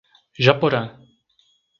Japorã